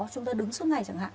chúng ta đứng suốt ngày chẳng hạn